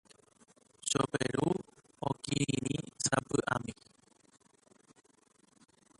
Choperu okirirĩ sapy'ami.